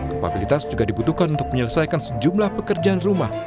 kapabilitas juga dibutuhkan untuk menyelesaikan sejumlah pekerjaan rumah